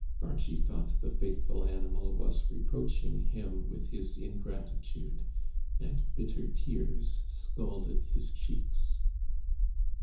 Archie thought the faithful animal was reproaching him with his ingratitude, and bitter tears scalded his cheeks.